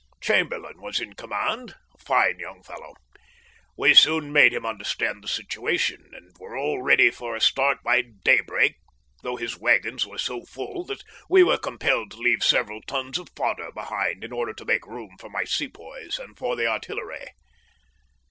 Chamberlain was in command a fine young fellow. We soon made him understand the situation, and were all ready for a start by daybreak though his waggons were so full that we were compelled to leave several tons of fodder behind in order to make room for my Sepoys and for the artillery.